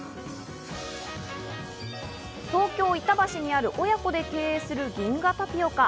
東京・板橋にある親子で経営する銀河タピオカ。